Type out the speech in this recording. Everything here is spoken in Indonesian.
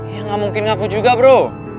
ya nggak mungkin ngaku juga bro